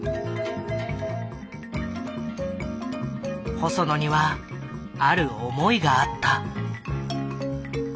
細野にはある思いがあった。